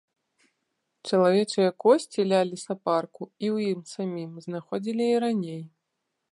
Чалавечыя косці ля лесапарку і ў ім самім знаходзілі і раней.